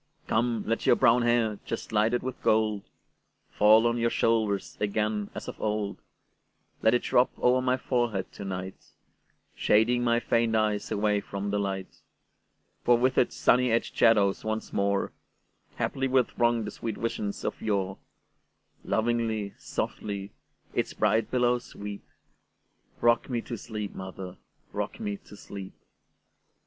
Come, let your brown hair, just lighted with gold, Fall on your shoulders again as of old; Let it drop over my forehead to night, Shading my faint eyes away from the light; For with its sunny edged shadows once moreHaply will throng the sweet visions of yore; Lovingly, softly, its bright billows sweep;—Rock me to sleep, mother,—rock me to sleep!